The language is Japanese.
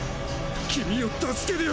君を助けるよ